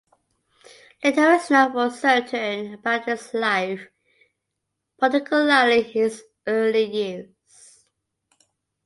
Little is known for certain about his life, particularly his early years.